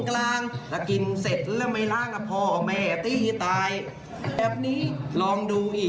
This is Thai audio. เตรงเตรงเตรงเตรง